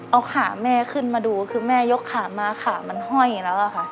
เอาขาแม่ขึ้นมาดูก็แม่ยกขามาขามันไห้อย่างนั้นแหละค่ะ